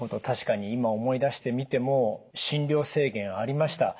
確かに今思い出してみても診療制限ありました。